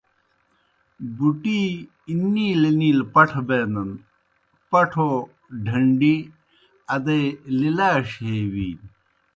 بُٹِی نِیلہ نِیلہ پٹھہ بینَن، پٹھو ڈھنڈی ادئی لِلاَݜیْ ہے بِینیْ۔